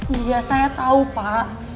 iya saya tau pak